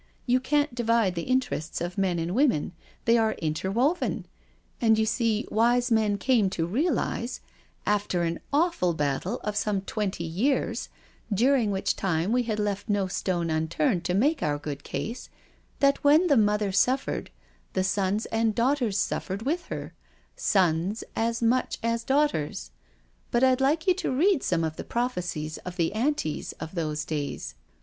" You can't divide the interests of men and women, they are interwoven, and you see wise men came to z64 NO SURRENDER realise, after an awful battle of some twenty years, during which time we had left no stone unturned to make good our case, that when the mother suffered, the sons and daughters suffered with her— sons as much as daughters. But I'd like you to read some of the prophecies of the Anti*s of those days.